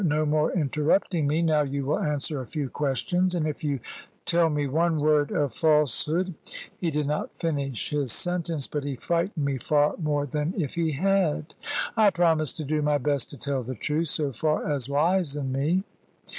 No more interrupting me. Now you will answer a few questions; and if you tell me one word of falsehood " He did not finish his sentence, but he frightened me far more than if he had. I promised to do my best to tell the truth, so far as lies in me.